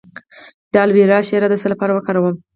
د الوویرا شیره د څه لپاره وکاروم؟